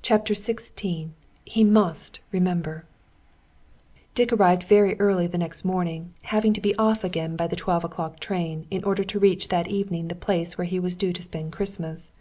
CHAPTER XVI "HE MUST REMEMBER" Dick arrived very early the next morning, having to be off again by the twelve o'clock train, in order to reach that evening the place where he was due to spend Christmas.